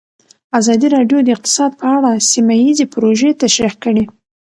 ازادي راډیو د اقتصاد په اړه سیمه ییزې پروژې تشریح کړې.